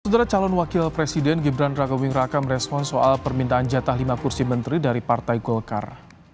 sementara calon wakil presiden gibran raka buming raka merespon soal permintaan jatah lima kursi menteri dari partai golkar